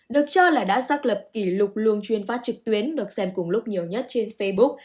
được cho là đã xác lập kỷ lục luông chuyên phát trực tuyến được xem cùng lúc nhiều nhất trên facebook